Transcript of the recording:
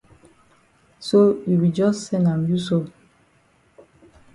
So you be jus sen am you so.